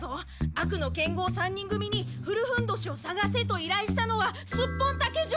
悪の剣豪３人組に古ふんどしをさがせといらいしたのはスッポンタケ城！